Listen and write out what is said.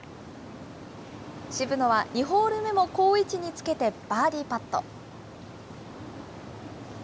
渋野は２ホール目も好位置につけてバーディーパット。